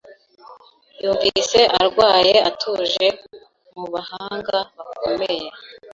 Yumvise arwaye atuje mu bahanga bakomeye.